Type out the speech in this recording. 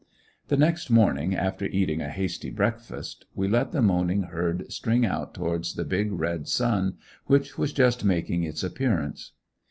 The next morning, after eating a hasty breakfast, we let the moaning herd string out towards the big red sun which was just making its appearance.